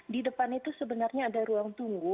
di depan itu sebenarnya ada ruang tunggu